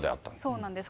そうなんです。